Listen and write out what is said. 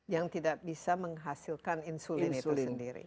yang tidak bisa menghasilkan insulin itu sendiri